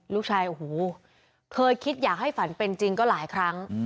ลูกชายโอ้โหเคยคิดอยากให้ฝันเป็นจริงก็หลายครั้ง